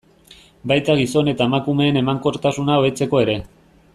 Baita gizon eta emakumeen emankortasuna hobetzeko ere.